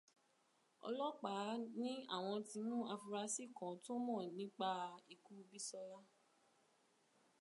Ọlọ́pàá ní àwọn ti mú afunrasí kan tó mọ̀ nípa ikú Bísọ́lá